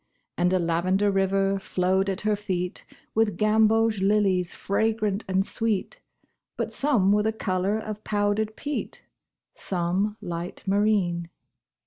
And a lavender river flowed at her feet With gamboge lilies fragrant and sweet, But some were the color of powdered peat, Some light marine.